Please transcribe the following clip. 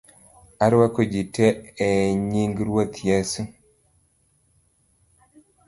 Arwako ji tee enying Ruoth Yesu